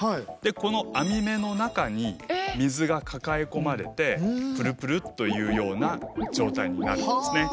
このあみ目の中に水がかかえ込まれてプルプルッというような状態になるんですね。